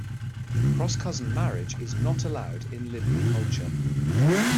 Cross-cousin marriage is not allowed in Limbu culture.